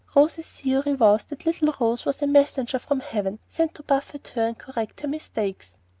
Rose's theory was that little Rose was a messenger from heaven sent to buffet her and correct her mistakes.